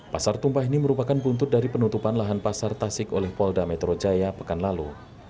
pasar tumpah ini merupakan buntut dari penutupan lahan pasar tasik oleh polda metro jaya pekan lalu